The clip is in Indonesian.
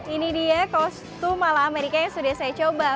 ini dia kostum ala amerika yang sudah saya coba